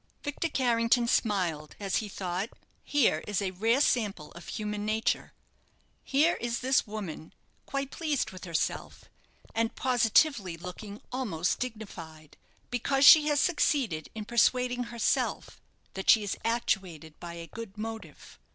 Victor Carrington smiled, as he thought, "Here is a rare sample of human nature. Here is this woman, quite pleased with herself, and positively looking almost dignified, because she has succeeded in persuading herself that she is actuated by a good motive."